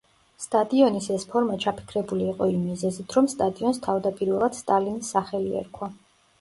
სტადიონის ეს ფორმა ჩაფიქრებული იყო იმ მიზეზით, რომ სტადიონს თავდაპირველად სტალინის სახელი ერქვა.